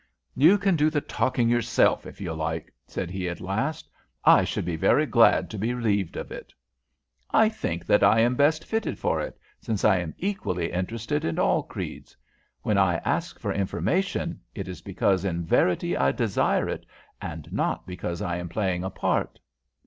"You can do the talking yourself if you like," said he at last. "I should be very glad to be relieved of it." "I think that I am best fitted for it, since I am equally interested in all creeds. When I ask for information, it is because in verity I desire it, and not because I am playing a part."